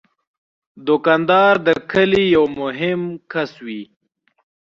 دوکاندار د کلي یو مهم کس وي.